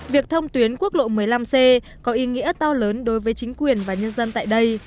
việc thông tuyến quốc lộ một mươi năm c có ý nghĩa to lớn đối với chính quyền và nhân dân tại đây